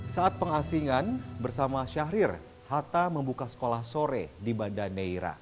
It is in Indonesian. saat pengasingan bersama syahrir hatta membuka sekolah sore di banda neira